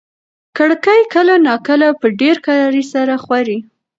کړکۍ کله ناکله په ډېرې کرارۍ سره ښوري.